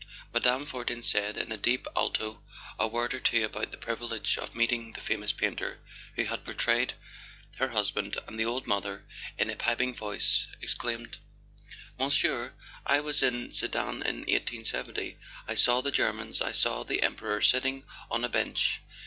Mme. Fortin said, in a deep alto, a word or two about the privilege of meeting the famous painter who had por¬ trayed her husband, and the old mother, in a piping voice, exclaimed: "Monsieur, I was at Sedan in 1870. I saw the Germans. I saw the Emperor sitting on a bench.